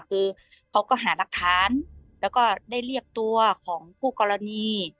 คือเขาก็หารักฐานแล้วก็ได้เรียกตัวของคู่กรณี